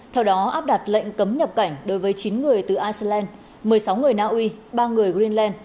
theo đó áp đặt lệnh cấm nhập cảnh đối với chín người từ iceland một mươi sáu người naui ba người greenland